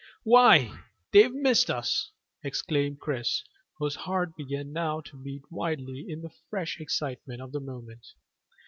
"Why, they've missed us," exclaimed Chris, whose heart began now to beat wildly in the fresh excitement of the moment.